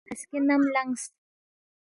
ہسکے نم لنگس